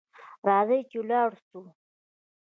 راځه چي ولاړ سو .